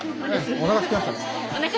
おなかすきましたか。